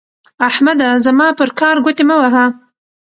احمده زما پر کار ګوتې مه وهه.